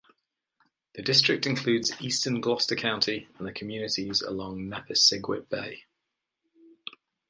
The district includes eastern Gloucester County, and the communities along Nepisiguit Bay.